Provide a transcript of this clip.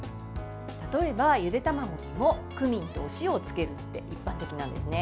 例えば、ゆで卵にもクミンとお塩をつけるって一般的なんですね。